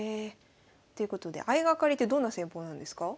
ということで相掛かりってどんな戦法なんですか？